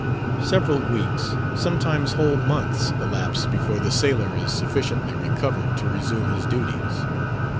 Several weeks, sometimes whole months, elapse before the sailor is sufficiently recovered to resume his duties.